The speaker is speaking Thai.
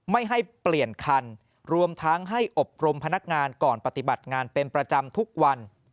ไม่ให้เปลี่ยนคันรวมทั้งให้อบรมพนักงานก่อนปฏิบัติงานเป็นประจำทุกวัน